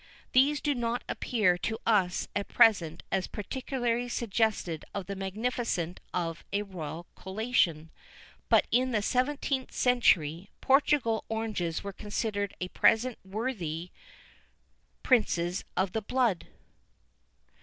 These do not appear to us at present as particularly suggestive of the magnificence of a royal collation; but in the seventeenth century, Portugal oranges were considered a present worthy princes of the blood.